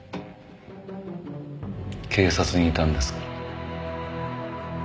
警察にいたんですから。